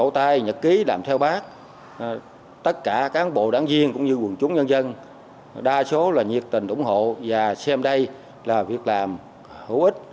tất cả cán bộ đáng viên cũng như quần chúng nhân dân đa số là nhiệt tình ủng hộ và xem đây là việc làm hữu ích